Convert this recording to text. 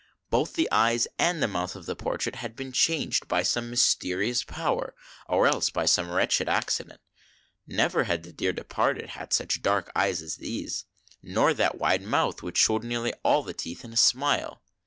Both the eyes and mouth of the portrait had been changed by some mysterious power or else by some wretched accident. Never had the "dear departed " such dark eyes as these, nor that wide mouth which showed nearly all the teeth in a smile.